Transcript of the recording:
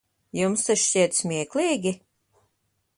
Jums tas šķiet smieklīgi?